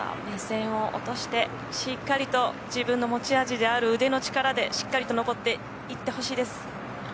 目線を落としてしっかりと自分の持ち味である腕の力でしっかりと上っていってほしいです。